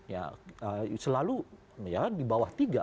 ya selalu ya di bawah tiga